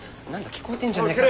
聞こえてんじゃねえか。